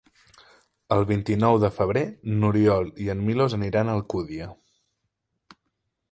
El vint-i-nou de febrer n'Oriol i en Milos aniran a Alcúdia.